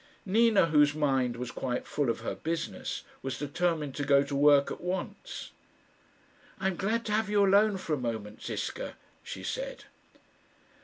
Nina, whose mind was quite full of her business, was determined to go to work at once. "I'm glad to have you alone for a moment, Ziska," she said.